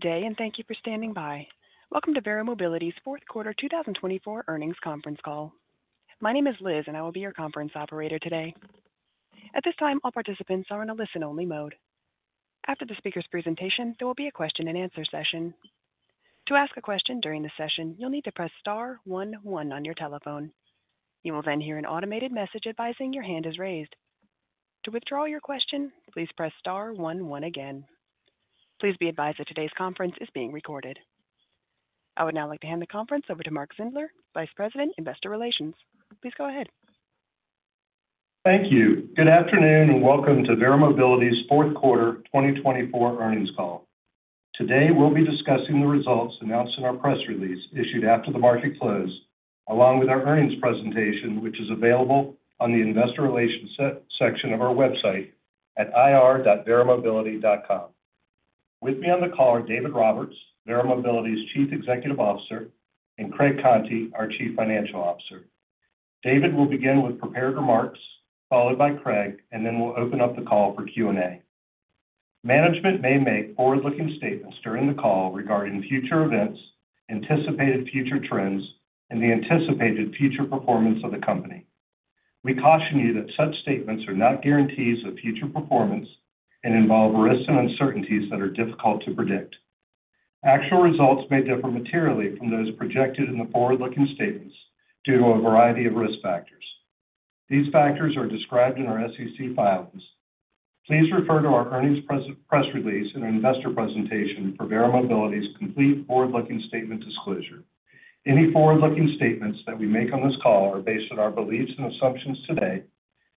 Good day, and thank you for standing by. Welcome to Verra Mobility's Fourth Quarter 2024 Earnings Conference Call. My name is Liz, and I will be your conference operator today. At this time, all participants are in a listen-only mode. After the speaker's presentation, there will be a question and answer session. To ask a question during the session, you'll need to press star one one on your telephone. You will then hear an automated message advising your hand is raised. To withdraw your question, please press star one one again. Please be advised that today's conference is being recorded. I would now like to hand the conference over to Mark Zindler, Vice President, Investor Relations. Please go ahead. Thank you. Good afternoon, and welcome to Verra Mobility's Fourth Quarter 2024 Earnings Call. Today, we'll be discussing the results announced in our press release issued after the market closed, along with our earnings presentation, which is available on the Investor Relations section of our website at ir.verramobility.com. With me on the call are David Roberts, Verra Mobility's Chief Executive Officer, and Craig Conti, our Chief Financial Officer. David will begin with prepared remarks, followed by Craig, and then we'll open up the call for Q&A. Management may make forward-looking statements during the call regarding future events, anticipated future trends, and the anticipated future performance of the company. We caution you that such statements are not guarantees of future performance and involve risks and uncertainties that are difficult to predict. Actual results may differ materially from those projected in the forward-looking statements due to a variety of risk factors. These factors are described in our SEC filings. Please refer to our earnings press release and our investor presentation for Verra Mobility's complete forward-looking statement disclosure. Any forward-looking statements that we make on this call are based on our beliefs and assumptions today,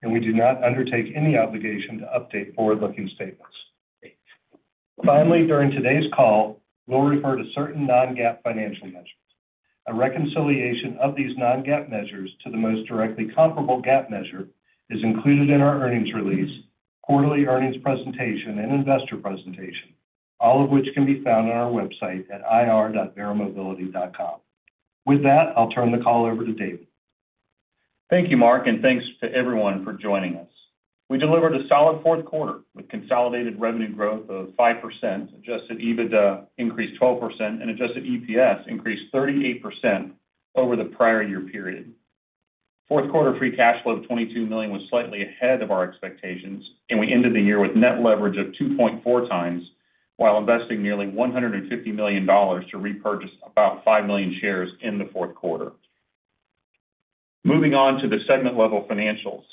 and we do not undertake any obligation to update forward-looking statements. Finally, during today's call, we'll refer to certain non-GAAP financial measures. A reconciliation of these non-GAAP measures to the most directly comparable GAAP measure is included in our earnings release, quarterly earnings presentation, and investor presentation, all of which can be found on our website at ir.verramobility.com. With that, I'll turn the call over to David. Thank you, Mark, and thanks to everyone for joining us. We delivered a solid fourth quarter with consolidated revenue growth of 5%, adjusted EBITDA increased 12%, and adjusted EPS increased 38% over the prior year period. Fourth quarter free cash flow of $22 million was slightly ahead of our expectations, and we ended the year with net leverage of 2.4x while investing nearly $150 million to repurchase about 5 million shares in the fourth quarter. Moving on to the segment level financials,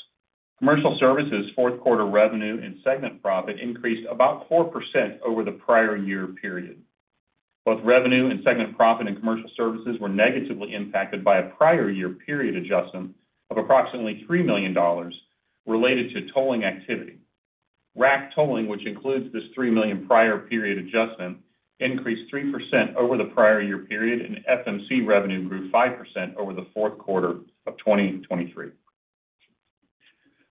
Commercial Services fourth quarter revenue and segment profit increased about 4% over the prior year period. Both revenue and segment profit in Commercial Services were negatively impacted by a prior year period adjustment of approximately $3 million related to tolling activity. RAC tolling, which includes this $3 million prior period adjustment, increased 3% over the prior year period, and FMC revenue grew 5% over the fourth quarter of 2023.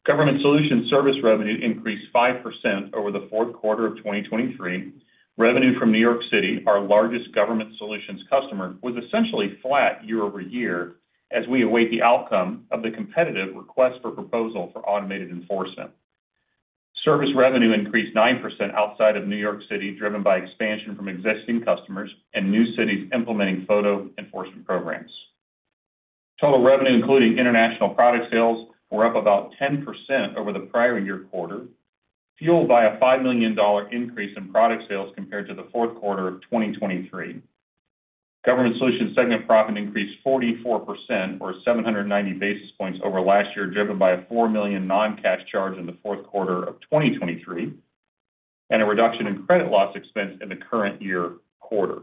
Government Solutions service revenue increased 5% over the fourth quarter of 2023. Revenue from New York City, our largest Government Solutions customer, was essentially flat year-over-year as we await the outcome of the competitive request for proposal for automated enforcement. Service revenue increased 9% outside of New York City, driven by expansion from existing customers and new cities implementing photo enforcement programs. Total revenue, including international product sales, were up about 10% over the prior year quarter, fueled by a $5 million increase in product sales compared to the fourth quarter of 2023. Government Solutions segment profit increased 44%, or 790 basis points, over last year, driven by a $4 million non-cash charge in the fourth quarter of 2023 and a reduction in credit loss expense in the current year quarter.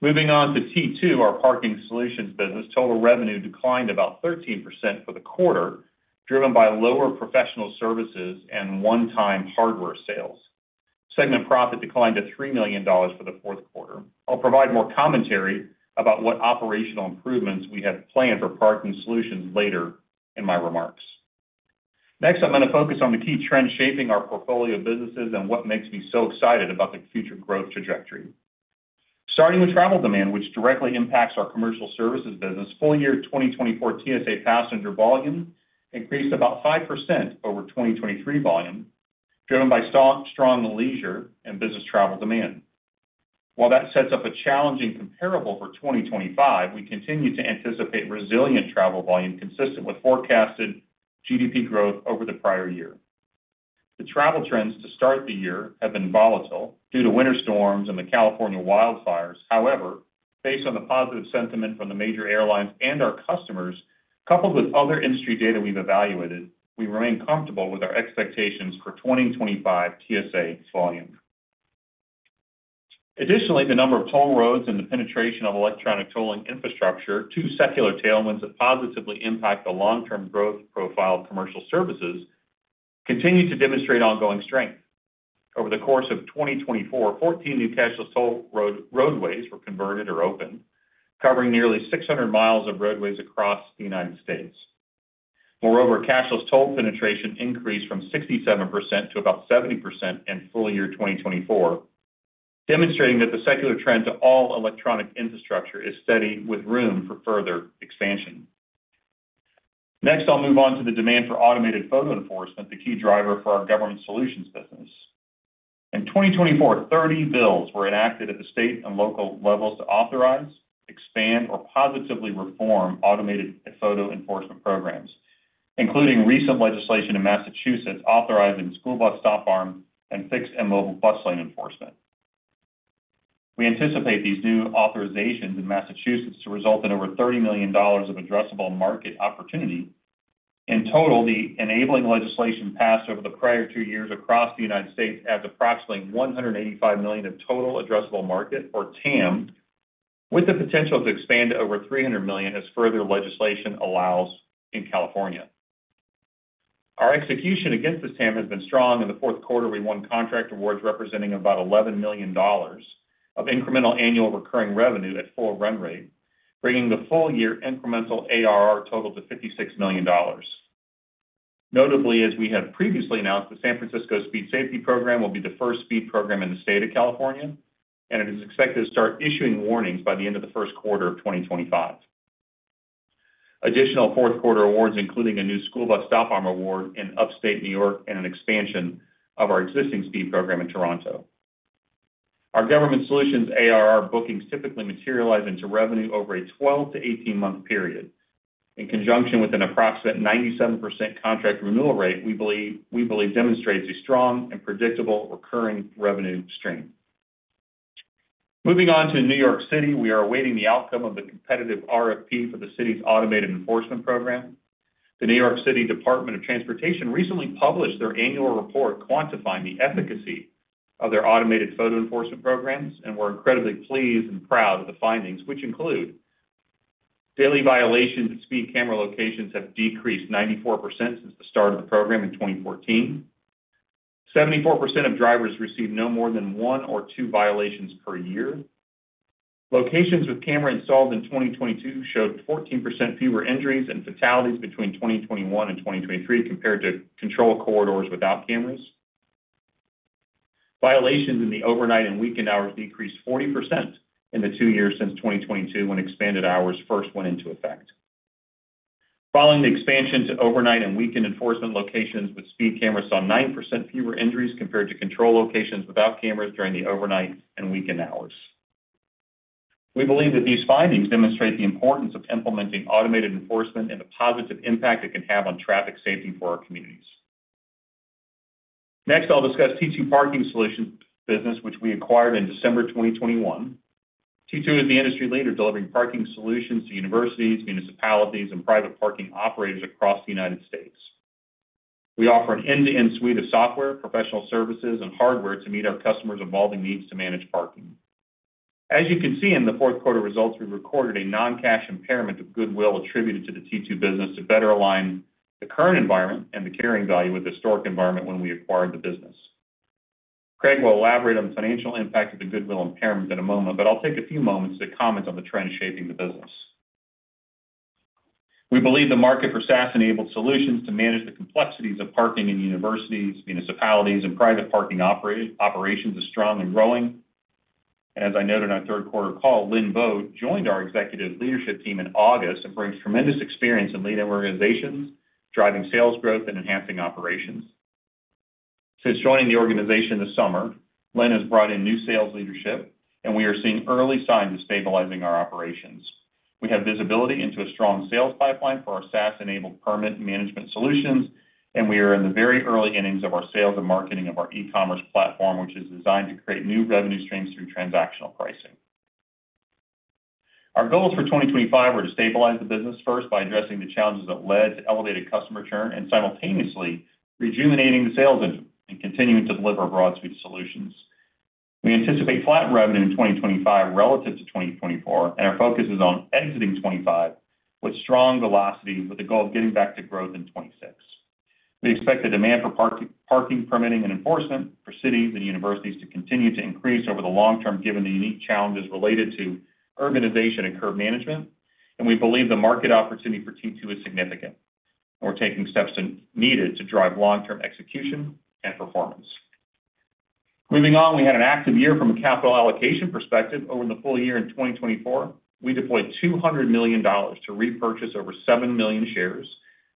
Moving on to T2, our Parking Solutions business, total revenue declined about 13% for the quarter, driven by lower professional services and one-time hardware sales. Segment profit declined to $3 million for the fourth quarter. I'll provide more commentary about what operational improvements we have planned for Parking Solutions later in my remarks. Next, I'm going to focus on the key trends shaping our portfolio of businesses and what makes me so excited about the future growth trajectory. Starting with travel demand, which directly impacts our Commercial Services business, full year 2024 TSA passenger volume increased about 5% over 2023 volume, driven by strong leisure and business travel demand. While that sets up a challenging comparable for 2025, we continue to anticipate resilient travel volume consistent with forecasted GDP growth over the prior year. The travel trends to start the year have been volatile due to winter storms and the California wildfires. However, based on the positive sentiment from the major airlines and our customers, coupled with other industry data we've evaluated, we remain comfortable with our expectations for 2025 TSA volume. Additionally, the number of toll roads and the penetration of electronic tolling infrastructure, two secular tailwinds that positively impact the long-term growth profile of commercial services, continue to demonstrate ongoing strength. Over the course of 2024, 14 new cashless toll roadways were converted or opened, covering nearly 600 miles of roadways across the United States. Moreover, cashless toll penetration increased from 67% to about 70% in full year 2024, demonstrating that the secular trend to all electronic infrastructure is steady, with room for further expansion. Next, I'll move on to the demand for automated photo enforcement, the key driver for our Government Solutions business. In 2024, 30 bills were enacted at the state and local levels to authorize, expand, or positively reform automated photo enforcement programs, including recent legislation in Massachusetts authorizing school bus stop arm and fixed and mobile bus lane enforcement. We anticipate these new authorizations in Massachusetts to result in over $30 million of addressable market opportunity. In total, the enabling legislation passed over the prior two years across the United States adds approximately $185 million of total addressable market, or TAM, with the potential to expand to over $300 million as further legislation allows in California. Our execution against this TAM has been strong. In the fourth quarter, we won contract awards representing about $11 million of incremental annual recurring revenue at full run rate, bringing the full year incremental ARR total to $56 million. Notably, as we have previously announced, the San Francisco Speed Safety Program will be the first speed program in the state of California, and it is expected to start issuing warnings by the end of the first quarter of 2025. Additional fourth quarter awards, including a new school bus stop arm award in Upstate New York and an expansion of our existing speed program in Toronto. Our Government Solutions ARR bookings typically materialize into revenue over a 12 to 18 month period. In conjunction with an approximate 97% contract renewal rate, we believe demonstrates a strong and predictable recurring revenue stream. Moving on to New York City, we are awaiting the outcome of the competitive RFP for the city's automated enforcement program. The New York City Department of Transportation recently published their annual report quantifying the efficacy of their automated photo enforcement programs and were incredibly pleased and proud of the findings, which include daily violations at speed camera locations have decreased 94% since the start of the program in 2014. 74% of drivers receive no more than one or two violations per year. Locations with cameras installed in 2022 showed 14% fewer injuries and fatalities between 2021 and 2023 compared to control corridors without cameras. Violations in the overnight and weekend hours decreased 40% in the two years since 2022 when expanded hours first went into effect. Following the expansion to overnight and weekend enforcement locations with speed cameras, we saw 9% fewer injuries compared to control locations without cameras during the overnight and weekend hours. We believe that these findings demonstrate the importance of implementing automated enforcement and the positive impact it can have on traffic safety for our communities. Next, I'll discuss T2 Parking Solutions business, which we acquired in December 2021. T2 is the industry leader delivering parking solutions to universities, municipalities, and private parking operators across the United States. We offer an end-to-end suite of software, professional services, and hardware to meet our customers' evolving needs to manage parking. As you can see in the fourth quarter results, we recorded a non-cash impairment of goodwill attributed to the T2 business to better align the current environment and the carrying value with the historic environment when we acquired the business. Craig will elaborate on the financial impact of the goodwill impairment in a moment, but I'll take a few moments to comment on the trend shaping the business. We believe the market for SaaS-enabled solutions to manage the complexities of parking in universities, municipalities, and private parking operations is strong and growing. As I noted in our third quarter call, Lin Bo joined our executive leadership team in August and brings tremendous experience in leading organizations, driving sales growth and enhancing operations. Since joining the organization this summer, Lin has brought in new sales leadership, and we are seeing early signs of stabilizing our operations. We have visibility into a strong sales pipeline for our SaaS-enabled permit management solutions, and we are in the very early innings of our sales and marketing of our e-commerce platform, which is designed to create new revenue streams through transactional pricing. Our goals for 2025 were to stabilize the business first by addressing the challenges that led to elevated customer churn and simultaneously rejuvenating the sales engine and continuing to deliver broad suite solutions. We anticipate flat revenue in 2025 relative to 2024, and our focus is on exiting 2025 with strong velocity with the goal of getting back to growth in 2026. We expect the demand for parking permitting and enforcement for cities and universities to continue to increase over the long term given the unique challenges related to urbanization and curb management, and we believe the market opportunity for T2 is significant. We're taking steps needed to drive long-term execution and performance. Moving on, we had an active year from a capital allocation perspective. Over the full year in 2024, we deployed $200 million to repurchase over seven million shares.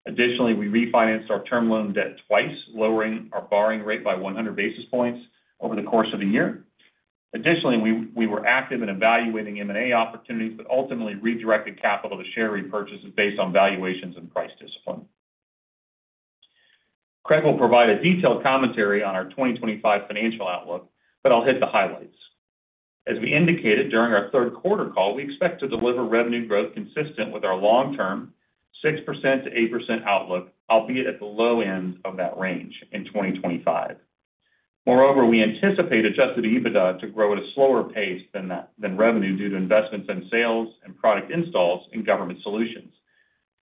Additionally, we refinanced our term loan debt twice, lowering our borrowing rate by 100 basis points over the course of the year. Additionally, we were active in evaluating M&A opportunities, but ultimately redirected capital to share repurchases based on valuations and price discipline. Craig will provide a detailed commentary on our 2025 financial outlook, but I'll hit the highlights. As we indicated during our third quarter call, we expect to deliver revenue growth consistent with our long-term 6%-8% outlook, albeit at the low end of that range in 2025. Moreover, we anticipate adjusted EBITDA to grow at a slower pace than revenue due to investments in sales and product installs in Government Solutions,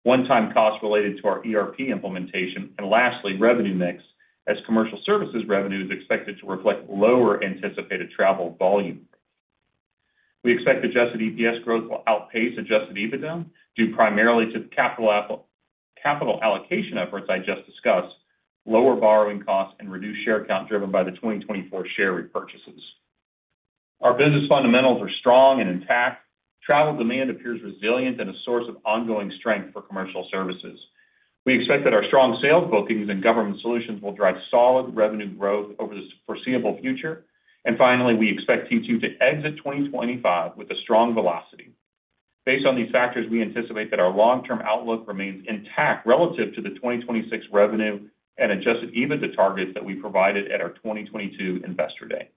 one-time costs related to our ERP implementation, and lastly, revenue mix as Commercial Services revenue is expected to reflect lower anticipated travel volume. We expect adjusted EPS growth will outpace adjusted EBITDA due primarily to the capital allocation efforts I just discussed, lower borrowing costs, and reduced share count driven by the 2024 share repurchases. Our business fundamentals are strong and intact. Travel demand appears resilient and a source of ongoing strength for Commercial Services. We expect that our strong sales bookings and Government Solutions will drive solid revenue growth over the foreseeable future. And finally, we expect Q2 to exit 2025 with a strong velocity. Based on these factors, we anticipate that our long-term outlook remains intact relative to the 2026 revenue and adjusted EBITDA targets that we provided at our 2022 investor day.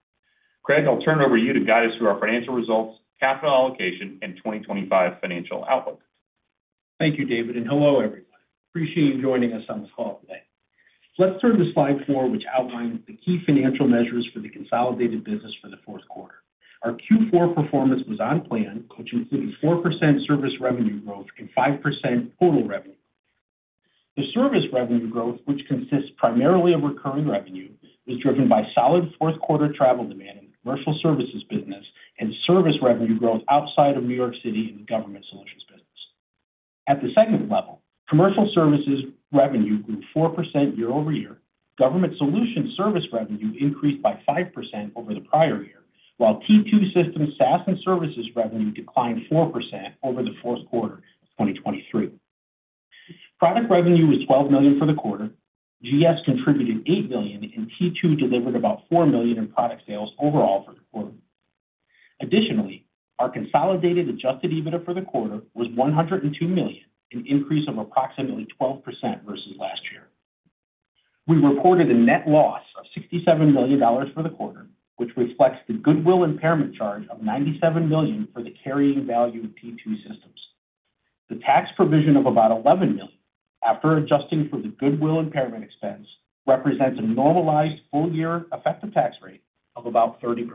Craig, I'll turn it over to you to guide us through our financial results, capital allocation, and 2025 financial outlook. Thank you, David, and hello, everyone. Appreciate you joining us on this call today. Let's turn to slide four, which outlines the key financial measures for the consolidated business for the fourth quarter. Our Q4 performance was on plan, which included 4% service revenue growth and 5% total revenue growth. The service revenue growth, which consists primarily of recurring revenue, was driven by solid fourth quarter travel demand in the commercial services business and service revenue growth outside of New York City in the Government Solutions business. At the second level, commercial services revenue grew 4% year-over-year. Government solutions service revenue increased by 5% over the prior year, while T2 Systems SaaS and services revenue declined 4% over the fourth quarter of 2023. Product revenue was $12 million for the quarter. GS contributed $8 million, and T2 delivered about $4 million in product sales overall for the quarter. Additionally, our consolidated adjusted EBITDA for the quarter was $102 million, an increase of approximately 12% versus last year. We reported a net loss of $67 million for the quarter, which reflects the goodwill impairment charge of $97 million for the carrying value of T2 Systems. The tax provision of about $11 million after adjusting for the goodwill impairment expense represents a normalized full year effective tax rate of about 30%.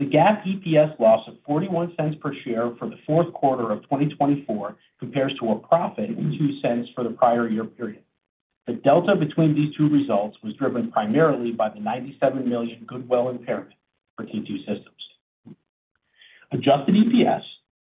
The GAAP EPS loss of $0.41 per share for the fourth quarter of 2024 compares to a profit of $0.02 for the prior year period. The delta between these two results was driven primarily by the $97 million goodwill impairment for T2 Systems. Adjusted EPS,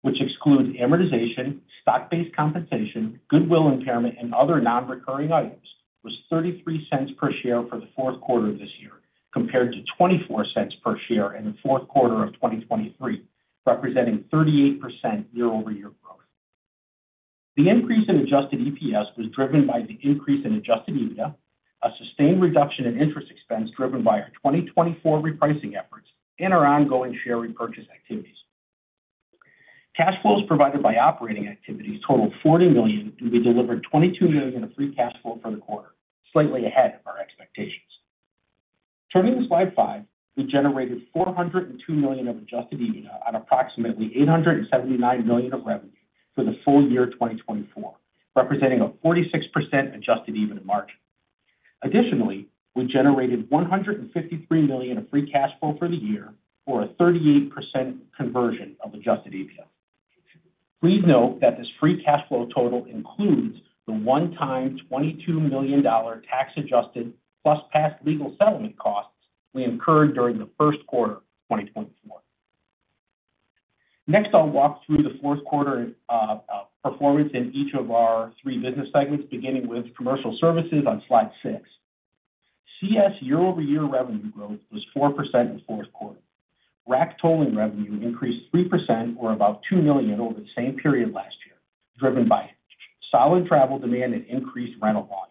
which excludes amortization, stock-based compensation, goodwill impairment, and other non-recurring items, was $0.33 per share for the fourth quarter of this year, compared to $0.24 per share in the fourth quarter of 2023, representing 38% year-over-year growth. The increase in adjusted EPS was driven by the increase in adjusted EBITDA, a sustained reduction in interest expense driven by our 2024 repricing efforts and our ongoing share repurchase activities. Cash flows provided by operating activities totaled $40 million, and we delivered $22 million of free cash flow for the quarter, slightly ahead of our expectations. Turning to slide five, we generated $402 million of adjusted EBITDA on approximately $879 million of revenue for the full year 2024, representing a 46% adjusted EBITDA margin. Additionally, we generated $153 million of free cash flow for the year for a 38% conversion of adjusted EBITDA. Please note that this free cash flow total includes the one-time $22 million tax-adjusted plus past legal settlement costs we incurred during the first quarter of 2024. Next, I'll walk through the fourth quarter performance in each of our three business segments, beginning with Commercial Services on slide six. CS year-over-year revenue growth was 4% in the fourth quarter. RAC tolling revenue increased 3%, or about $2 million over the same period last year, driven by solid travel demand and increased rental volume.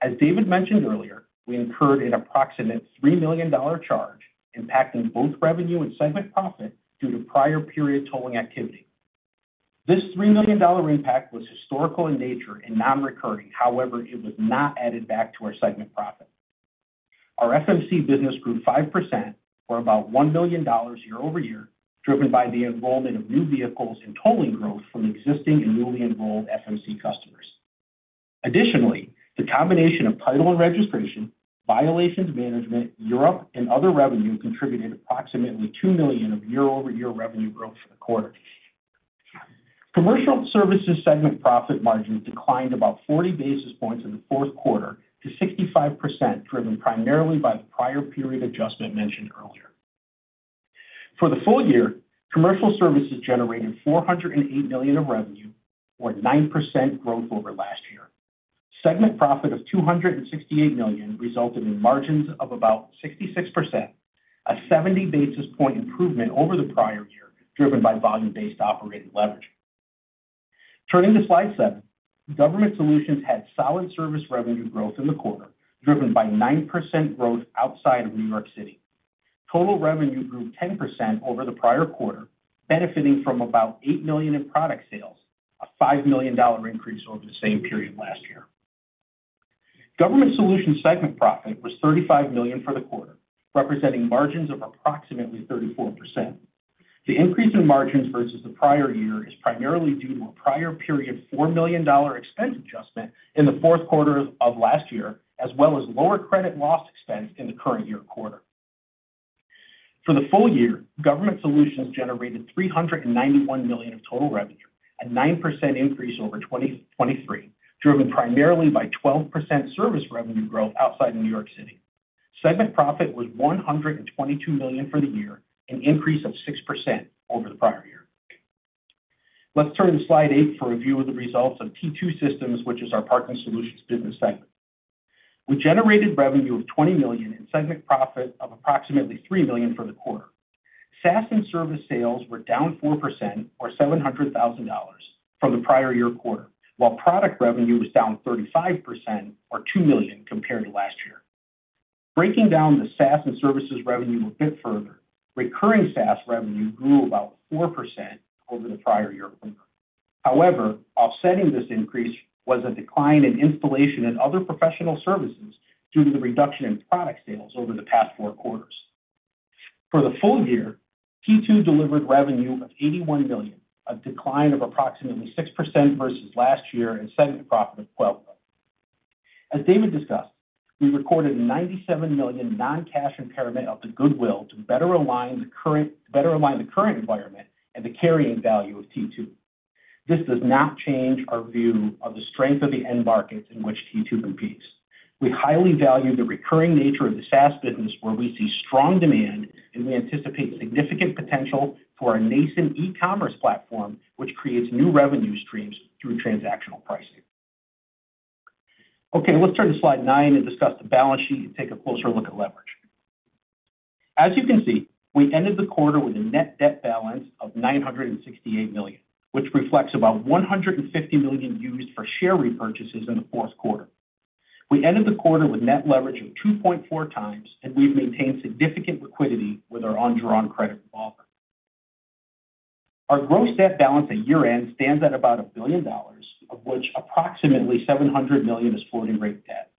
As David mentioned earlier, we incurred an approximate $3 million charge impacting both revenue and segment profit due to prior period tolling activity. This $3 million impact was historical in nature and non-recurring. However, it was not added back to our segment profit. Our FMC business grew 5%, or about $1 million year-over-year, driven by the enrollment of new vehicles and tolling growth from existing and newly enrolled FMC customers. Additionally, the combination of title and registration, violations management, Europe, and other revenue contributed approximately $2 million of year-over-year revenue growth for the quarter. Commercial Services segment profit margins declined about 40 basis points in the fourth quarter to 65%, driven primarily by the prior period adjustment mentioned earlier. For the full year, Commercial Services generated $408 million of revenue, or 9% growth over last year. Segment profit of $268 million resulted in margins of about 66%, a 70 basis point improvement over the prior year, driven by volume-based operating leverage. Turning to slide seven, Government Solutions had solid service revenue growth in the quarter, driven by 9% growth outside of New York City. Total revenue grew 10% over the prior quarter, benefiting from about $8 million in product sales, a $5 million increase over the same period last year. Government Solutions segment profit was $35 million for the quarter, representing margins of approximately 34%. The increase in margins versus the prior year is primarily due to a prior period $4 million expense adjustment in the fourth quarter of last year, as well as lower credit loss expense in the current year quarter. For the full year, Government Solutions generated $391 million of total revenue, a 9% increase over 2023, driven primarily by 12% service revenue growth outside of New York City. Segment profit was $122 million for the year, an increase of 6% over the prior year. Let's turn to slide 8 for a view of the results of T2 Systems, which is our Parking Solutions business segment. We generated revenue of $20 million in segment profit of approximately $3 million for the quarter. SaaS and service sales were down 4%, or $700,000, from the prior year quarter, while product revenue was down 35%, or $2 million, compared to last year. Breaking down the SaaS and services revenue a bit further, recurring SaaS revenue grew about 4% over the prior year quarter. However, offsetting this increase was a decline in installation and other professional services due to the reduction in product sales over the past four quarters. For the full year, T2 delivered revenue of $81 million, a decline of approximately 6% versus last year, and segment profit of $12 million. As David discussed, we recorded a $97 million non-cash impairment of the goodwill to better align the current environment and the carrying value of T2. This does not change our view of the strength of the end markets in which T2 competes. We highly value the recurring nature of the SaaS business, where we see strong demand, and we anticipate significant potential for our nascent e-commerce platform, which creates new revenue streams through transactional pricing. Okay, let's turn to slide nine and discuss the balance sheet and take a closer look at leverage. As you can see, we ended the quarter with a net debt balance of $968 million, which reflects about $150 million used for share repurchases in the fourth quarter. We ended the quarter with net leverage of 2.4x, and we've maintained significant liquidity with our on-demand credit revolver. Our gross debt balance at year end stands at about $1 billion, of which approximately $700 million is floating rate debt.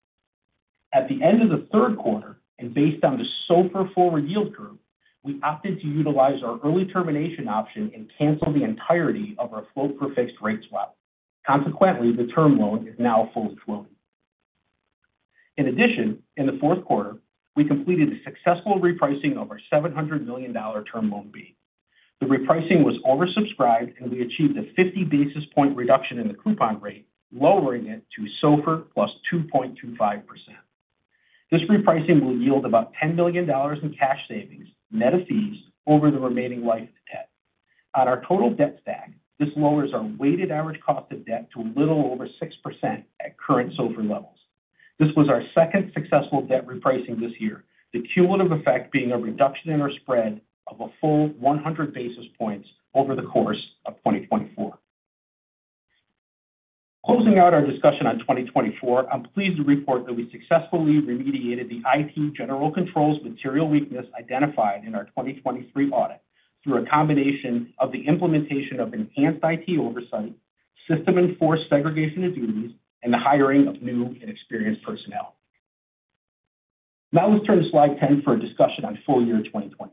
At the end of the third quarter, and based on the SOFR forward yield curve, we opted to utilize our early termination option and cancel the entirety of our float for fixed rate swap. Consequently, the term loan is now fully floating. In addition, in the fourth quarter, we completed a successful repricing of our $700 million term loan B. The repricing was over-subscribed, and we achieved a 50 basis points reduction in the coupon rate, lowering it to SOFR plus 2.25%. This repricing will yield about $10 million in cash savings, net of fees, over the remaining life of the debt. On our total debt stack, this lowers our weighted average cost of debt to a little over 6% at current SOFR levels. This was our second successful debt repricing this year, the cumulative effect being a reduction in our spread of a full 100 basis points over the course of 2024. Closing out our discussion on 2024, I'm pleased to report that we successfully remediated the IT General Controls material weakness identified in our 2023 audit through a combination of the implementation of enhanced IT oversight, system-enforced segregation of duties, and the hiring of new and experienced personnel. Now let's turn to slide 10 for a discussion on full year 2025.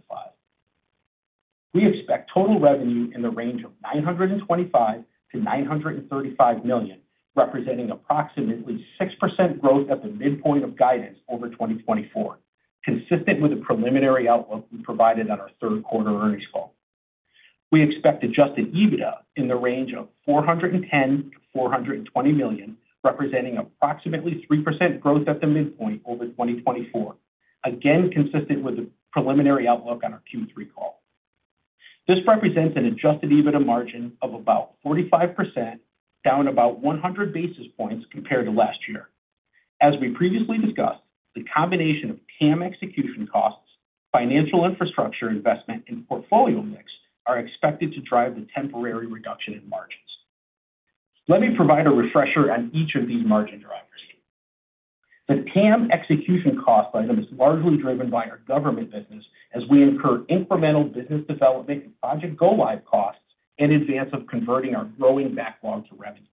We expect total revenue in the range of $925 million-$935 million, representing approximately 6% growth at the midpoint of guidance over 2024, consistent with the preliminary outlook we provided on our third quarter earnings call. We expect Adjusted EBITDA in the range of $410 million-$420 million, representing approximately 3% growth at the midpoint over 2024, again consistent with the preliminary outlook on our Q3 call. This represents an adjusted EBITDA margin of about 45%, down about 100 basis points compared to last year. As we previously discussed, the combination of TAM execution costs, financial infrastructure investment, and portfolio mix are expected to drive the temporary reduction in margins. Let me provide a refresher on each of these margin drivers. The TAM execution cost item is largely driven by our government business, as we incur incremental business development and project go-live costs in advance of converting our growing backlog to revenue.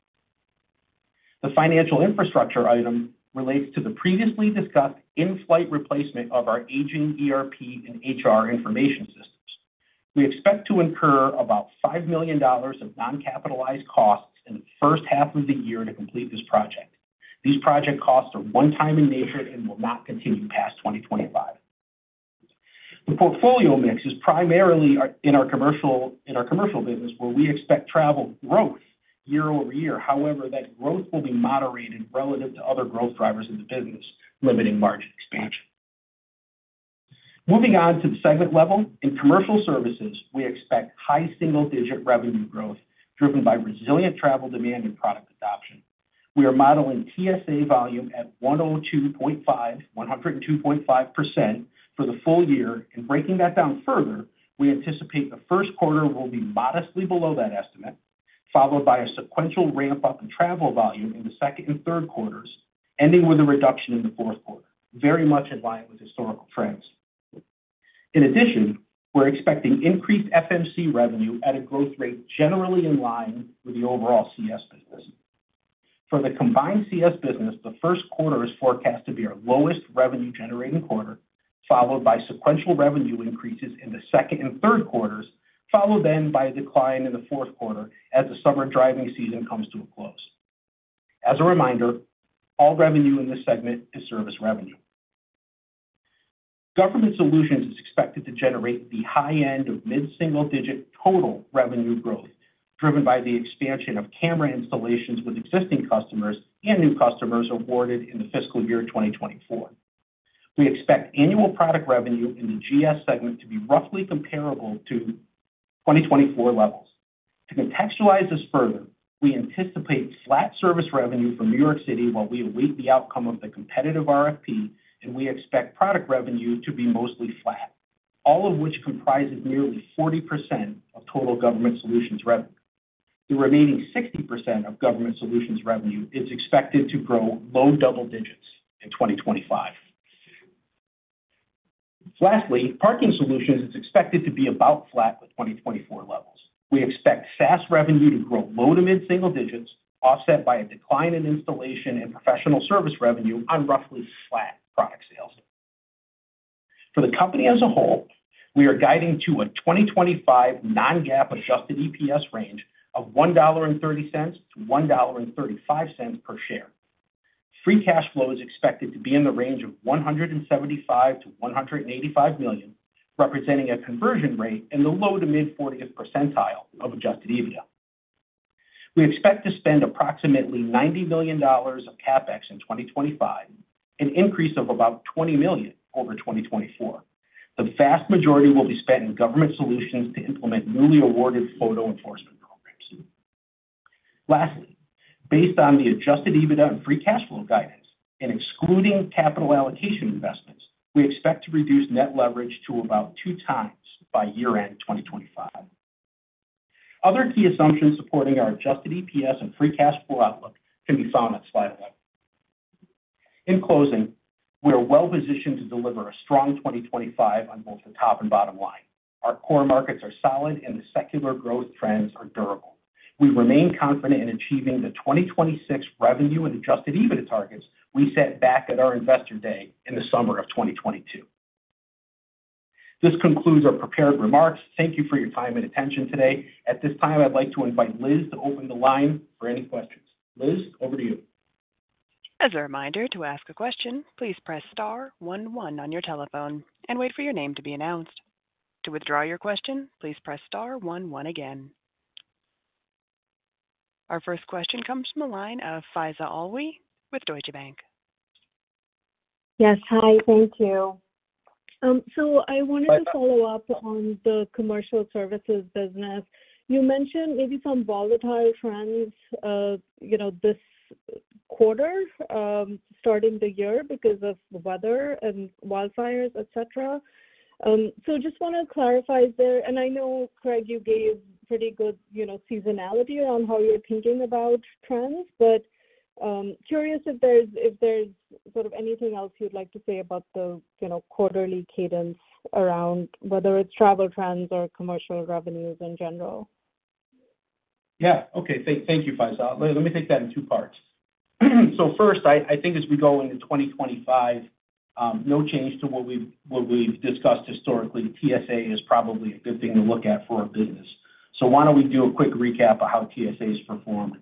The financial infrastructure item relates to the previously discussed in-flight replacement of our aging ERP and HR information systems. We expect to incur about $5 million of non-capitalized costs in the first half of the year to complete this project. These project costs are one-time in nature and will not continue past 2025. The portfolio mix is primarily in our commercial business, where we expect travel growth year-over-year. However, that growth will be moderated relative to other growth drivers in the business, limiting margin expansion. Moving on to the segment level, in commercial services, we expect high single-digit revenue growth driven by resilient travel demand and product adoption. We are modeling TSA volume at 102.5%, 102.5% for the full year, and breaking that down further, we anticipate the first quarter will be modestly below that estimate, followed by a sequential ramp-up in travel volume in the second and third quarters, ending with a reduction in the fourth quarter, very much in line with historical trends. In addition, we're expecting increased FMC revenue at a growth rate generally in line with the overall CS business. For the combined CS business, the first quarter is forecast to be our lowest revenue-generating quarter, followed by sequential revenue increases in the second and third quarters, followed then by a decline in the fourth quarter as the summer driving season comes to a close. As a reminder, all revenue in this segment is service revenue. Government Solutions is expected to generate the high-end of mid single-digit total revenue growth, driven by the expansion of camera installations with existing customers and new customers awarded in the fiscal year 2024. We expect annual product revenue in the GS segment to be roughly comparable to 2024 levels. To contextualize this further, we anticipate flat service revenue for New York City while we await the outcome of the competitive RFP, and we expect product revenue to be mostly flat, all of which comprises nearly 40% of total Government Solutions revenue. The remaining 60% of Government Solutions revenue is expected to grow low double digits in 2025. Lastly, Parking Solutions is expected to be about flat with 2024 levels. We expect SaaS revenue to grow low to mid single-digits, offset by a decline in installation and professional service revenue on roughly flat product sales. For the company as a whole, we are guiding to a 2025 non-GAAP adjusted EPS range of $1.30-$1.35 per share. Free cash flow is expected to be in the range of $175million-$185 million, representing a conversion rate in the low to mid-40th percentile of adjusted EBITDA. We expect to spend approximately $90 million of CapEx in 2025, an increase of about $20 million over 2024. The vast majority will be spent in Government Solutions to implement newly awarded photo enforcement programs. Lastly, based on the adjusted EBITDA and free cash flow guidance, and excluding capital allocation investments, we expect to reduce net leverage to about two times by year end 2025. Other key assumptions supporting our adjusted EPS and free cash flow outlook can be found on slide 11. In closing, we are well-positioned to deliver a strong 2025 on both the top and bottom line. Our core markets are solid, and the secular growth trends are durable. We remain confident in achieving the 2026 revenue and adjusted EBITDA targets we set back at our investor day in the summer of 2022. This concludes our prepared remarks. Thank you for your time and attention today. At this time, I'd like to invite Liz to open the line for any questions. Liz, over to you. As a reminder, to ask a question, please press star one one on your telephone and wait for your name to be announced. To withdraw your question, please press star one one again. Our first question comes from the line of Faiza Alwy with Deutsche Bank. Yes, hi, thank you. So I wanted to follow up on the Commercial Services business. You mentioned maybe some volatile trends this quarter starting the year because of the weather and wildfires, etc. So I just want to clarify there, and I know, Craig, you gave pretty good seasonality around how you're thinking about trends, but curious if there's sort of anything else you'd like to say about the quarterly cadence around whether it's travel trends or commercial revenues in general. Yeah, okay. Thank you, Faiza. Let me take that in two parts. So first, I think as we go into 2025, no change to what we've discussed historically. TSA is probably a good thing to look at for our business. So why don't we do a quick recap of how TSA has performed?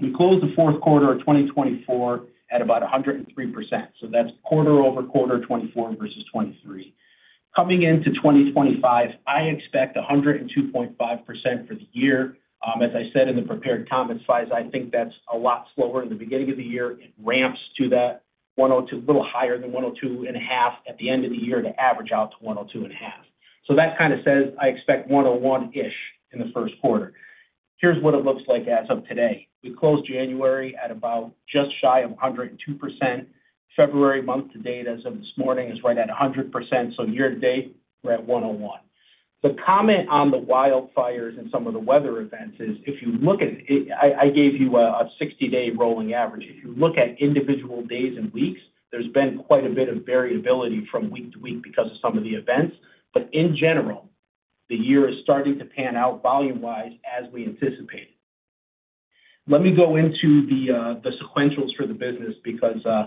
We closed the fourth quarter of 2024 at about 103%. So that's quarter-over-quarter 2024 versus 2023. Coming into 2025, I expect 102.5% for the year. As I said in the prepared comments, Faiza, I think that's a lot slower in the beginning of the year. It ramps to that 102%, a little higher than 102.5% at the end of the year to average out to 102.5%. So that kind of says I expect 101-ish in the first quarter. Here's what it looks like as of today. We closed January at about just shy of 102%. February month to date as of this morning is right at 100%. So year to date, we're at 101%. The comment on the wildfires and some of the weather events is if you look at it, I gave you a 60-day rolling average. If you look at individual days and weeks, there's been quite a bit of variability from week to week because of some of the events. But in general, the year is starting to pan out volume-wise as we anticipated. Let me go into the sequentials for the business because I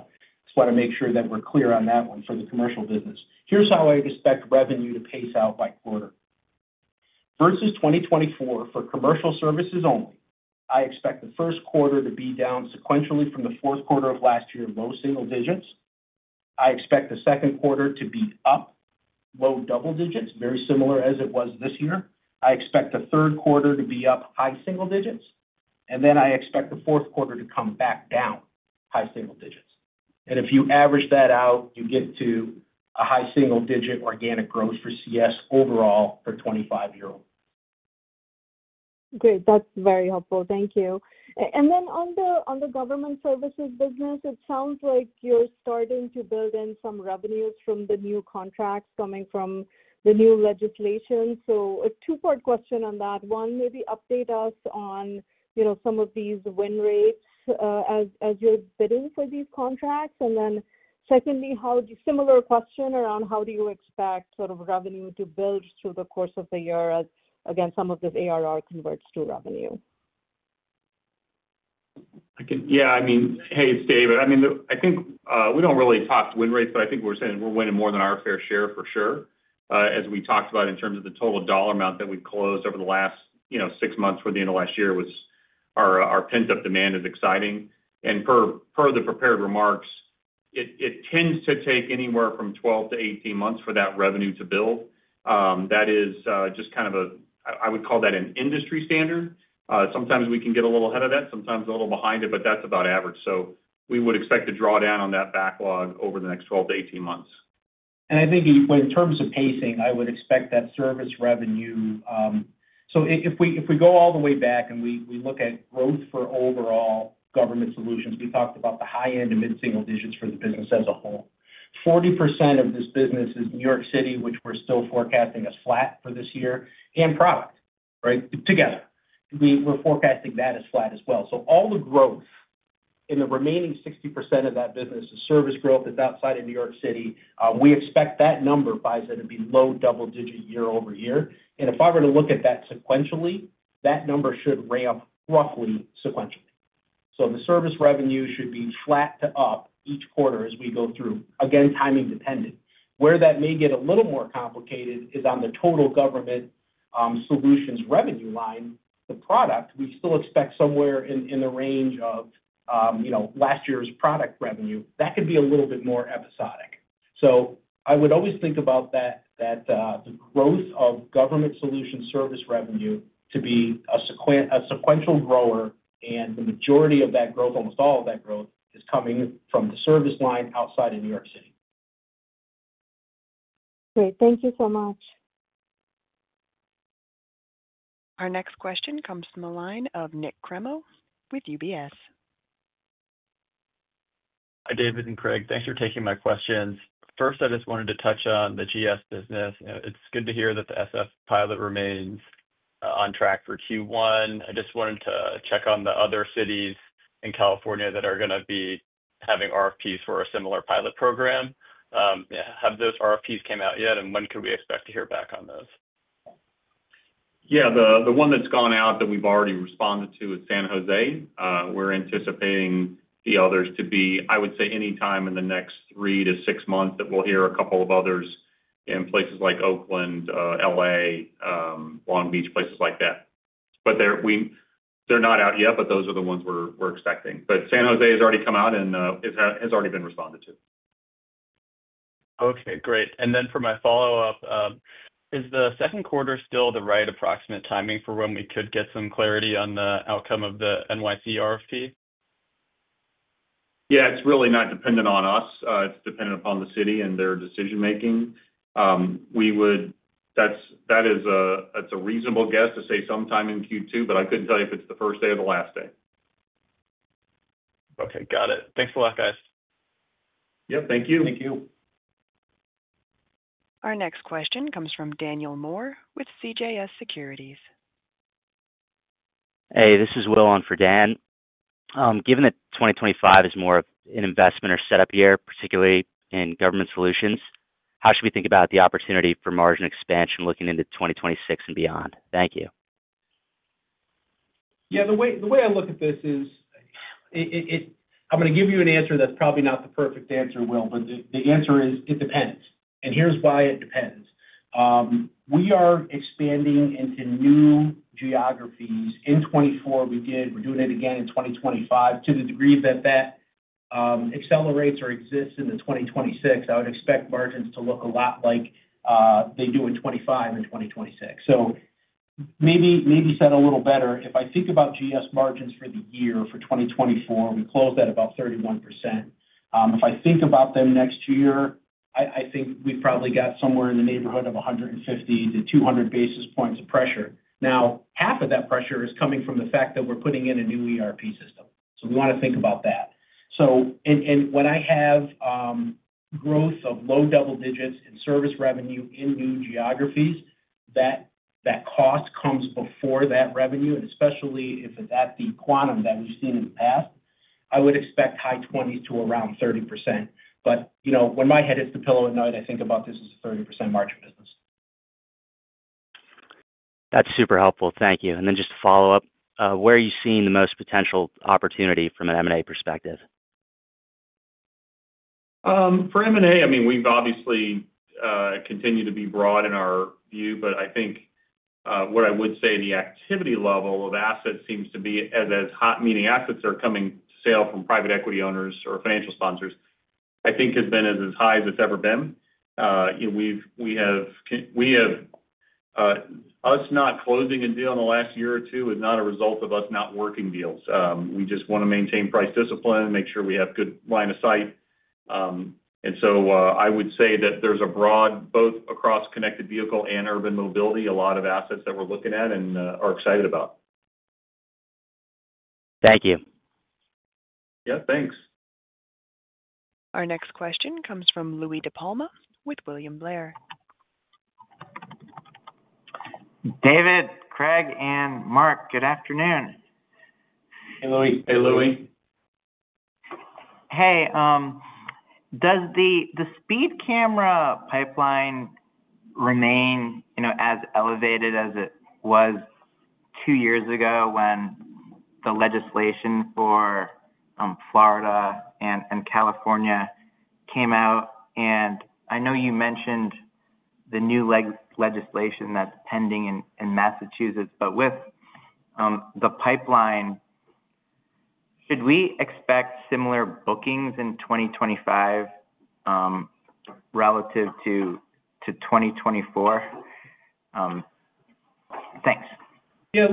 just want to make sure that we're clear on that one for the Commercial business. Here's how I expect revenue to pace out by quarter. Versus 2024 for commercial services only, I expect the first quarter to be down sequentially from the fourth quarter of last year, low single-digits. I expect the second quarter to be up, low double-digits, very similar as it was this year. I expect the third quarter to be up, high single-digits. Then I expect the fourth quarter to come back down, high single-digits. If you average that out, you get to a high single-digit organic growth for CS overall for 2025. Great. That's very helpful. Thank you. Then on the Government Solutions business, it sounds like you're starting to build in some revenues from the new contracts coming from the new legislation. So a two-part question on that. One, maybe update us on some of these win rates as you're bidding for these contracts. Then secondly, similar question around how do you expect sort of revenue to build through the course of the year as, again, some of this ARR converts to revenue? Yeah, I mean, hey, it's David. I mean, I think we don't really talk win rates, but I think we're saying we're winning more than our fair share for sure. As we talked about in terms of the total dollar amount that we've closed over the last six months for the end of last year, our pent-up demand is exciting. Per the prepared remarks, it tends to take anywhere from 12 to 18 months for that revenue to build. That is just kind of a, I would call that an industry standard. Sometimes we can get a little ahead of that, sometimes a little behind it, but that's about average. So we would expect to draw down on that backlog over the next 12 to 18 months. I think in terms of pacing, I would expect that service revenue. So if we go all the way back and we look at growth for overall Government Solutions, we talked about the high-end and mid single-digits for the business as a whole. 40% of this business is New York City, which we're still forecasting as flat for this year, and product, right, together. We're forecasting that as flat as well. So all the growth in the remaining 60% of that business is service growth. It's outside of New York City. We expect that number, Faiza, to be low double-digit year-over-year. And if I were to look at that sequentially, that number should ramp roughly sequentially. So the service revenue should be flat to up each quarter as we go through, again, timing dependent. Where that may get a little more complicated is on the total Government Solutions revenue line, the product. We still expect somewhere in the range of last year's product revenue. That could be a little bit more episodic. So I would always think about that, the growth of Government Solutions service revenue to be a sequential grower, and the majority of that growth, almost all of that growth, is coming from the service line outside of New York City. Great. Thank you so much. Our next question comes from the line of Nik Cremo with UBS. Hi, David and Craig. Thanks for taking my questions. First, I just wanted to touch on the GS business. It's good to hear that the SF pilot remains on track for Q1. I just wanted to check on the other cities in California that are going to be having RFPs for a similar pilot program. Have those RFPs come out yet, and when can we expect to hear back on those? Yeah, the one that's gone out that we've already responded to is San Jose. We're anticipating the others to be, I would say, anytime in the next three to six months that we'll hear a couple of others in places like Oakland, L.A., Long Beach, places like that. But they're not out yet, but those are the ones we're expecting. But San Jose has already come out and has already been responded to. Okay, great. And then for my follow-up, is the second quarter still the right approximate timing for when we could get some clarity on the outcome of the NYC RFP? Yeah, it's really not dependent on us. It's dependent upon the city and their decision-making. That is a reasonable guess to say sometime in Q2, but I couldn't tell you if it's the first day or the last day. Okay, got it. Thanks a lot, guys. Yep, thank you. Thank you. Our next question comes from Daniel Moore, with CJS Securities. Hey, this is Will on for Dan. Given that 2025 is more of an investment or setup year, particularly in Government Solutions, how should we think about the opportunity for margin expansion looking into 2026 and beyond? Thank you. Yeah, the way I look at this is I'm going to give you an answer that's probably not the perfect answer, Will, but the answer is it depends, and here's why it depends. We are expanding into new geographies. In 2024, we did. We're doing it again in 2025 to the degree that that accelerates or exists in 2026. I would expect margins to look a lot like they do in 2025 and 2026. So maybe set a little better. If I think about GS margins for the year for 2024, we closed at about 31%. If I think about them next year, I think we've probably got somewhere in the neighborhood of 150 basis points-200 basis points of pressure. Now, half of that pressure is coming from the fact that we're putting in a new ERP system. So we want to think about that. And when I have growth of low double digits in service revenue in new geographies, that cost comes before that revenue, and especially if it's at the quantum that we've seen in the past, I would expect high 20s to around 30%. But when my head hits the pillow at night, I think about this as a 30% margin business. That's super helpful. Thank you. And then just to follow up, where are you seeing the most potential opportunity from an M&A perspective? For M&A, I mean, we've obviously continued to be broad in our view, but I think what I would say the activity level of assets seems to be as hot, meaning assets that are coming to sale from private equity owners or financial sponsors, I think has been as high as it's ever been. We haven't closed a deal in the last year or two is not a result of us not working deals. We just want to maintain price discipline, make sure we have good line of sight. And so I would say that there's a broad both across connected vehicle and urban mobility, a lot of assets that we're looking at and are excited about. Thank you. Yeah, thanks. Our next question comes from Louie DiPalma with William Blair. David, Craig, and Mark, good afternoon. Hey, Louie. Hey, Louis. Hey. Does the speed camera pipeline remain as elevated as it was two years ago when the legislation for Florida and California came out? And I know you mentioned the new legislation that's pending in Massachusetts, but with the pipeline, should we expect similar bookings in 2025 relative to 2024? Thanks. Yeah,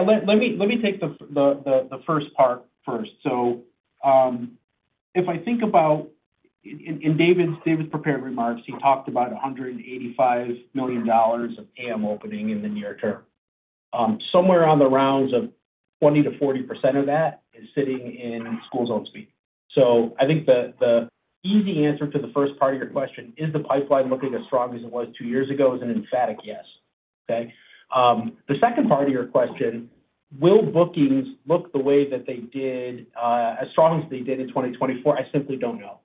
let me take the first part first. So if I think about in David's prepared remarks, he talked about $185 million of ARR opening in the near term. Somewhere around the range of 20%-40% of that is sitting in school zone speed. So, I think the easy answer to the first part of your question, is the pipeline looking as strong as it was two years ago? Is an emphatic yes. Okay? The second part of your question, will bookings look the way that they did as strong as they did in 2024? I simply don't know.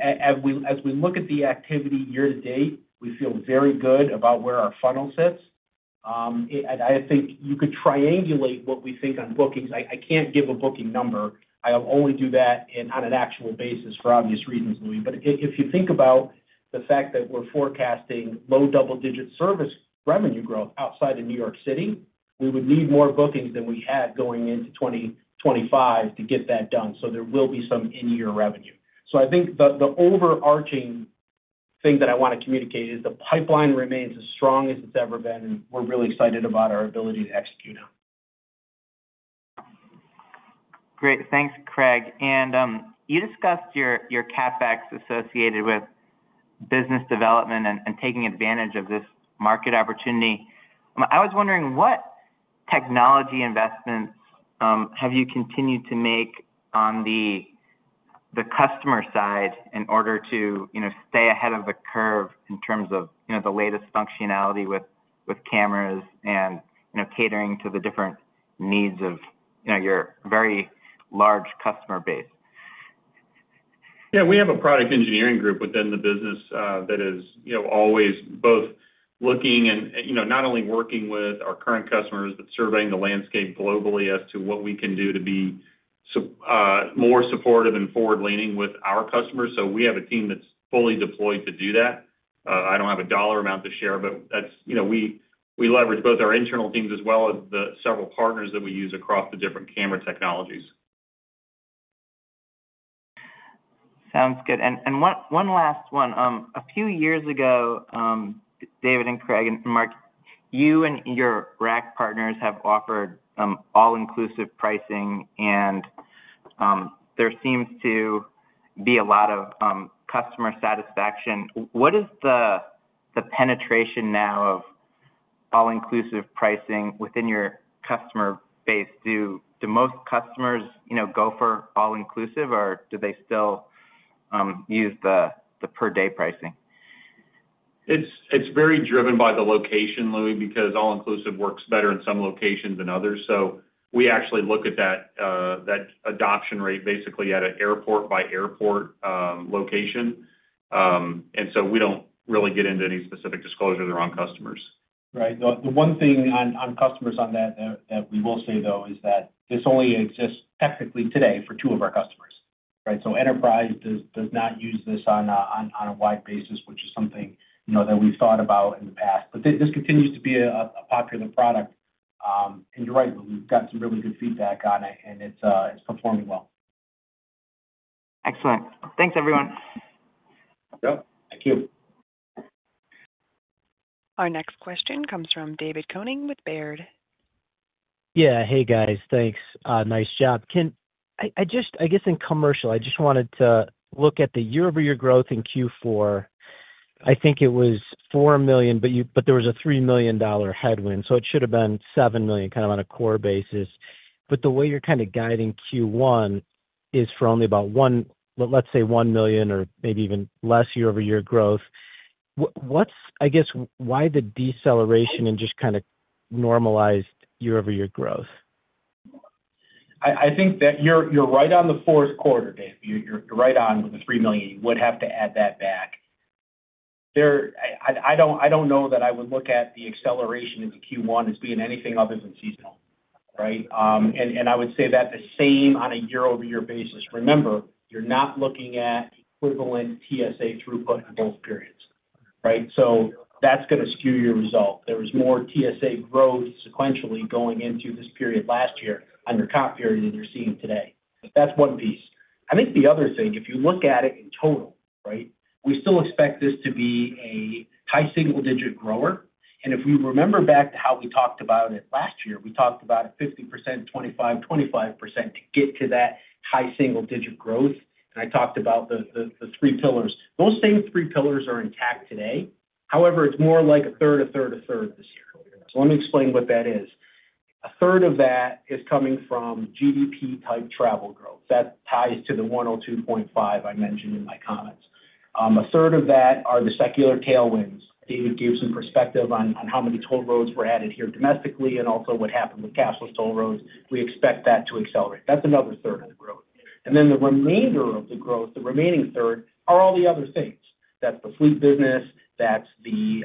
As we look at the activity year to date, we feel very good about where our funnel sits. And I think you could triangulate what we think on bookings. I can't give a booking number. I'll only do that on an actual basis for obvious reasons, Louie. But if you think about the fact that we're forecasting low double-digit service revenue growth outside of New York City, we would need more bookings than we had going into 2025 to get that done. So there will be some in-year revenue. So I think the overarching thing that I want to communicate is the pipeline remains as strong as it's ever been, and we're really excited about our ability to execute it. Great. Thanks, Craig. And you discussed your CapEx associated with business development and taking advantage of this market opportunity. I was wondering what technology investments have you continued to make on the customer side in order to stay ahead of the curve in terms of the latest functionality with cameras and catering to the different needs of your very large customer base? Yeah, we have a product engineering group within the business that is always both looking and not only working with our current customers, but surveying the landscape globally as to what we can do to be more supportive and forward-leaning with our customers. So we have a team that's fully deployed to do that. I don't have a dollar amount to share, but we leverage both our internal teams as well as the several partners that we use across the different camera technologies. Sounds good, and one last one. A few years ago, David and Craig and Mark, you and your RAC partners have offered all-inclusive pricing, and there seems to be a lot of customer satisfaction. What is the penetration now of all-inclusive pricing within your customer base? Do most customers go for all-inclusive, or do they still use the per-day pricing? It's very driven by the location, Louis, because all-inclusive works better in some locations than others, so we actually look at that adoption rate basically at an airport-by-airport location, and so we don't really get into any specific disclosures around customers. Right. The one thing on customers on that that we will say, though, is that this only exists technically today for two of our customers. Right? So Enterprise does not use this on a wide basis, which is something that we've thought about in the past. But this continues to be a popular product. And you're right, Louie, we've got some really good feedback on it, and it's performing well. Excellent. Thanks, everyone. Yep. Thank you. Our next question comes from David Koning with Baird. Yeah. Hey, guys. Thanks. Nice job. I guess in commercial, I just wanted to look at the year-over-year growth in Q4. I think it was $4 million, but there was a $3 million headwind. So it should have been $7 million, kind of on a core basis. But the way you're kind of guiding Q1 is for only about, let's say, $1 million or maybe even less year-over-year growth. I guess, why the deceleration and just kind of normalized year-over-year growth? I think that you're right on the fourth quarter, David. You're right on the $3 million. You would have to add that back. I don't know that I would look at the acceleration into Q1 as being anything other than seasonal, right? And I would say that the same on a year-over-year basis. Remember, you're not looking at equivalent TSA throughput in both periods, right? So that's going to skew your result. There was more TSA growth sequentially going into this period last year on your comp period than you're seeing today. That's one piece. I think the other thing, if you look at it in total, right, we still expect this to be a high single-digit grower. And if we remember back to how we talked about it last year, we talked about a 50%, 25%, 25% to get to that high single-digit growth. And I talked about the three pillars. Those same three pillars are intact today. However, it's more like a third, a third, a third this year. So let me explain what that is. A third of that is coming from GDP type travel growth. That ties to the 102.5% I mentioned in my comments. A third of that are the secular tailwinds. David gave some perspective on how many toll roads were added here domestically and also what happened with cashless toll roads. We expect that to accelerate. That's another third of the growth. And then the remainder of the growth, the remaining third, are all the other things. That's the fleet business. That's the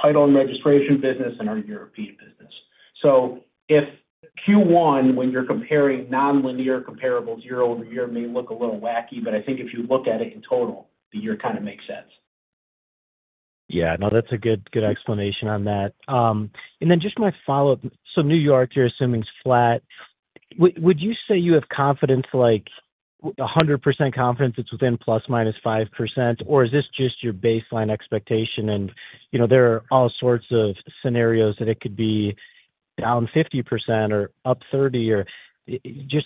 title and registration business and our European business. So if Q1, when you're comparing non-linear comparables year-over-year, may look a little wacky, but I think if you look at it in total, the year kind of makes sense. Yeah. No, that's a good explanation on that. And then just my follow-up. So New York, you're assuming it's flat. Would you say you have confidence, like 100% confidence it's within plus minus 5%, or is this just your baseline expectation? And there are all sorts of scenarios that it could be down 50% or up 30%.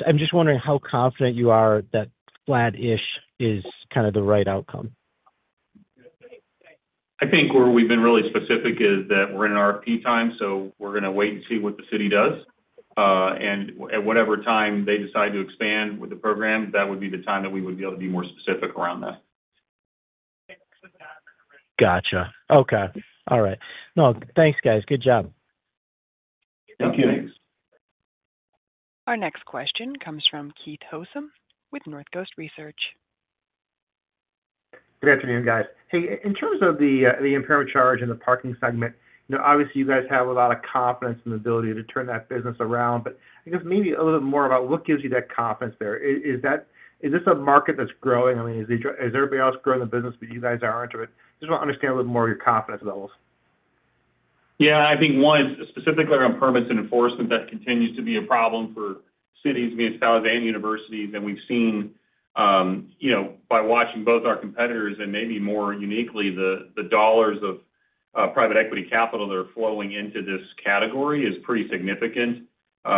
I'm just wondering how confident you are that flat-ish is kind of the right outcome. I think where we've been really specific is that we're in RFP time, so we're going to wait and see what the city does, and at whatever time they decide to expand with the program, that would be the time that we would be able to be more specific around that. Gotcha. Okay. All right. No, thanks, guys. Good job. Thank you. Thanks. Our next question comes from Keith Housum with Northcoast Research. Good afternoon, guys. Hey, in terms of the impairment charge and the parking segment, obviously, you guys have a lot of confidence in the ability to turn that business around, but I guess maybe a little bit more about what gives you that confidence there. Is this a market that's growing? I mean, is everybody else growing the business, but you guys aren't? I just want to understand a little bit more of your confidence levels. Yeah. I think one, specifically around permits and enforcement, that continues to be a problem for cities, businesses, and universities. And we've seen, by watching both our competitors and maybe more uniquely, the dollars of private equity capital that are flowing into this category is pretty significant.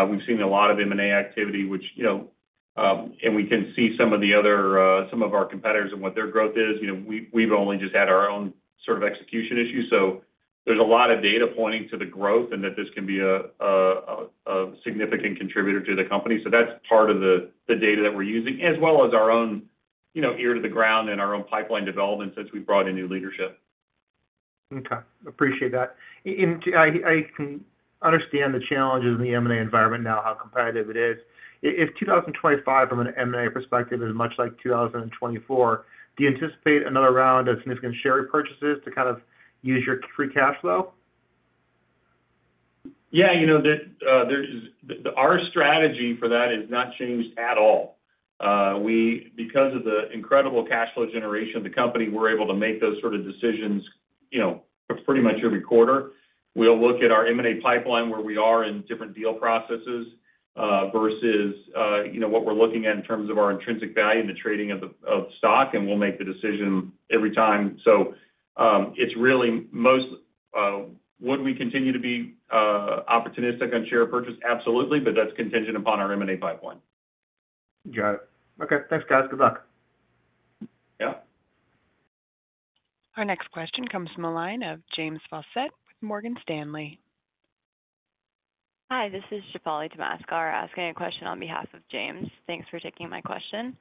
We've seen a lot of M&A activity, which, and we can see some of our other competitors and what their growth is. We've only just had our own sort of execution issues. So there's a lot of data pointing to the growth and that this can be a significant contributor to the company. So that's part of the data that we're using, as well as our own ear to the ground and our own pipeline development since we've brought in new leadership. Okay. Appreciate that. And I can understand the challenges in the M&A environment now, how competitive it is. If 2025, from an M&A perspective, is much like 2024, do you anticipate another round of significant share purchases to kind of use your free cash flow? Yeah. Our strategy for that has not changed at all. Because of the incredible cash flow generation of the company, we're able to make those sort of decisions pretty much every quarter. We'll look at our M&A pipeline, where we are in different deal processes versus what we're looking at in terms of our intrinsic value in the trading of stock, and we'll make the decision every time. So it's really most, would we continue to be opportunistic on share purchase? Absolutely, but that's contingent upon our M&A pipeline. Got it. Okay. Thanks, guys. Good luck. Yeah. Our next question comes from a line of James Faucette with Morgan Stanley. Hi. This is Shefali Tamaskar asking a question on behalf of James. Thanks for taking my question.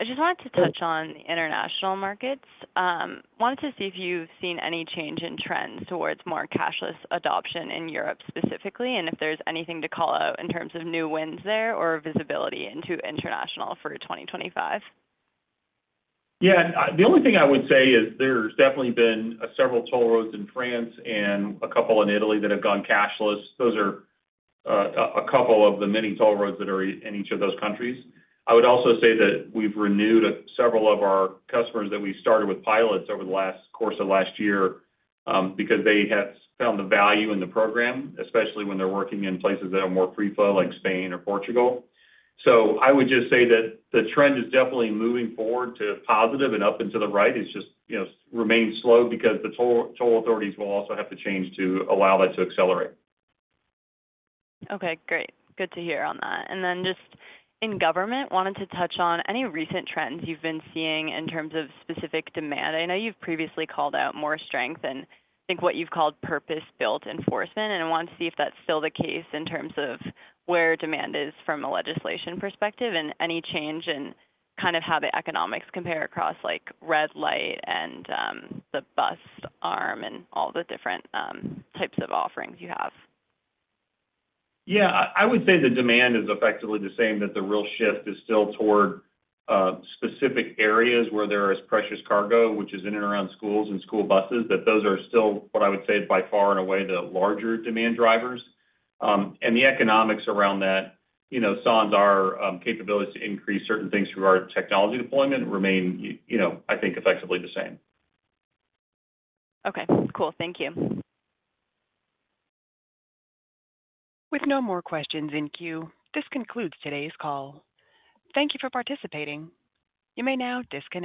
I just wanted to touch on international markets. Wanted to see if you've seen any change in trends towards more cashless adoption in Europe specifically, and if there's anything to call out in terms of new wins there or visibility into international for 2025? Yeah. The only thing I would say is there's definitely been several toll roads in France and a couple in Italy that have gone cashless. Those are a couple of the many toll roads that are in each of those countries. I would also say that we've renewed several of our customers that we started with pilots over the course of last year because they have found the value in the program, especially when they're working in places that are more free-flow like Spain or Portugal. So I would just say that the trend is definitely moving forward to positive and up and to the right. It just remains slow because the toll authorities will also have to change to allow that to accelerate. Okay. Great. Good to hear on that. And then just in government, wanted to touch on any recent trends you've been seeing in terms of specific demand? I know you've previously called out more strength and I think what you've called purpose-built enforcement, and I want to see if that's still the case in terms of where demand is from a legislation perspective and any change in kind of how the economics compare across red light and the bus arm and all the different types of offerings you have? Yeah. I would say the demand is effectively the same, that the real shift is still toward specific areas where there is precious cargo, which is in and around schools and school buses, that those are still, what I would say, by far and away the larger demand drivers. And the economics around that, as our capabilities to increase certain things through our technology deployment remain, I think, effectively the same. Okay. Cool. Thank you. With no more questions in queue, this concludes today's call. Thank you for participating. You may now disconnect.